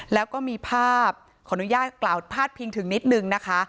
แล้วก็มีภาพขออนุญาตกล่าวพาดพิงถึงนิดนึงนะคะ